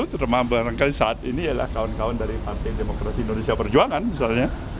terutama barangkali saat ini adalah kawan kawan dari partai demokrasi indonesia perjuangan misalnya